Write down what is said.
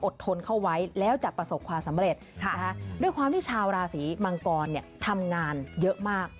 ทนเข้าไว้แล้วจะประสบความสำเร็จด้วยความที่ชาวราศีมังกรทำงานเยอะมาก